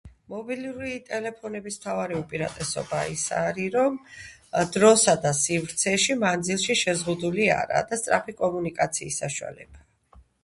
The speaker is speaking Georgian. მობილური ტელეფონების მთავარი უპირატესობა ის არი რომ დროსა და სივრცეში მანძილში შეზღუდული არ არის სწრაფი კომუნიკაციის საშუალებაა.